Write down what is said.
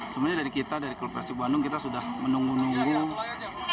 sebenarnya dari kita dari korporasi bandung kita sudah menunggu nunggu